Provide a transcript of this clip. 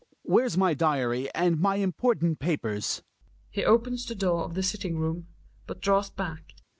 Where's my diary and my important papers? {He opens the door of the sitting room, but draws back.)